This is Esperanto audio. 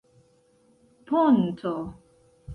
ponto